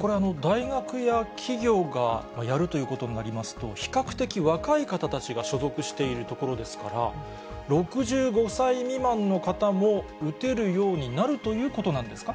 これ、大学や企業がやるということになりますと、比較的、若い方たちが所属している所ですから、６５歳未満の方も打てるようになるということなんですか。